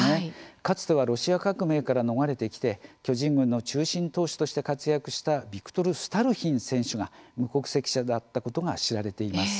かつてはロシア革命から逃れてきて巨人軍の中心投手として活躍したヴィクトル・スタルヒン選手が無国籍者であったことが知られています。